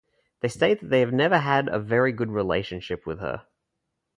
They state that they have never had a very good relationship with her.